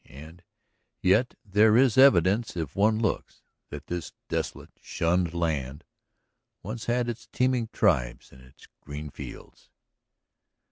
And yet there is the evidence, if one looks, that this desolate, shunned land once had its teeming tribes and its green fields.